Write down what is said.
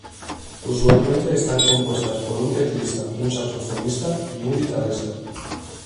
Usualmente están compuestas por un teclista, un saxofonista y un guitarrista.